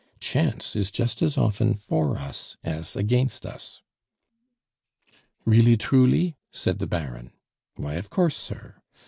Chance is just as often for us as against us." "Really truly?" said the Baron. "Why, of course, sir.